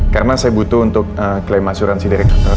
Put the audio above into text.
karena saya butuh untuk klaim asuransi dari kantor